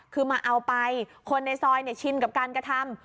คือมาเอาไปคนในซอยชินกับการกระทำ